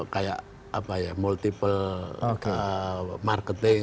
kayak apa ya multiple marketing